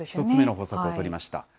１つ目の方策を取りました。